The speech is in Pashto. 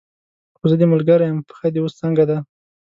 خو زه دې ملګرې یم، پښه دې اوس څنګه ده؟